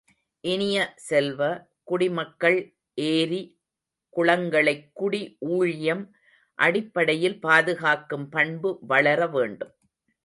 இனிய செல்வ, குடிமக்கள் ஏரி, குளங்களைக் குடி ஊழியம் அடிப்படையில் பாதுகாக்கும் பண்பு வளர வேண்டும்.